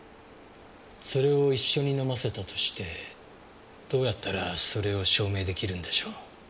それを一緒に飲ませたとしてどうやったらそれを証明出来るんでしょう？